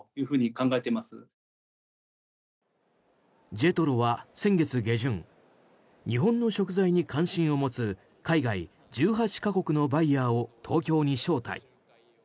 ＪＥＴＲＯは先月下旬日本の食材に関心を持つ海外１８か国のバイヤーを東京に招待。